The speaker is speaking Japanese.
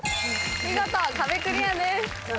見事壁クリアです。